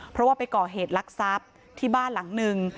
เพราะว่าไปก่อเหตุลักษัพที่บ้านหลังหนึ่ง